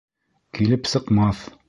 Килеп сыҡмаҫ!